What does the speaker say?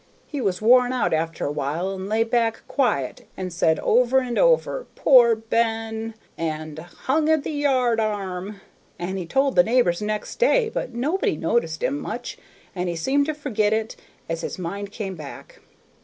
He was worn out after a while and lay back quiet, and said over and over, 'Poor Ben!' and 'hung at the yard arm'; and he told the neighbors next day, but nobody noticed him much, and he seemed to forget it as his mind come back.